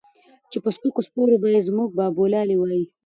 چې پۀ سپکو سپورو به دے زمونږ بابولالې وائي